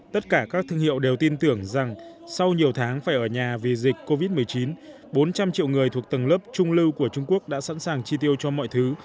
tất cả các thương hiệu đều tin tưởng rằng sau nhiều tháng phải ở nhà vì dịch covid một mươi chín bốn trăm linh triệu người thuộc tầng lớp trung lưu của trung quốc đã sẵn sàng chi tiêu cho mọi thứ